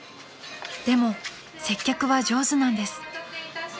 ［でも接客は上手なんです］